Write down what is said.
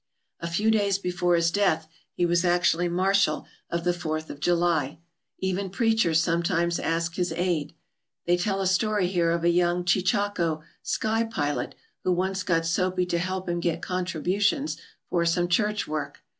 "A few days before his death he was actually mar shal of the Fourth of July. Even preachers some times asked his aid. They tell a story here of a young cheechako 'sky pilot' who once got Soapy to help him get contributions for some church work.